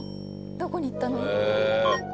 どこに行ったの？」。